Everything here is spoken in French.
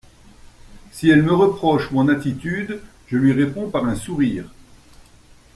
Si elle me reproche mon attitude, je lui réponds par un sourire.